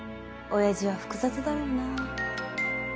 親父は複雑だろうなあ。